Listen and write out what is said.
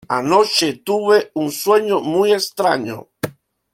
Anoche tuve un sueño muy extraño.